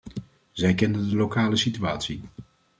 Zij kennen de lokale situatie.